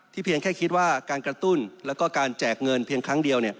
เพียงแค่คิดว่าการกระตุ้นแล้วก็การแจกเงินเพียงครั้งเดียว